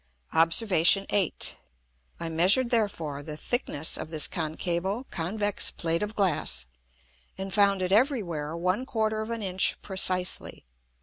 Obs. 8. I measured therefore the thickness of this concavo convex Plate of Glass, and found it every where 1/4 of an Inch precisely.